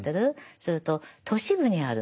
それと都市部にある。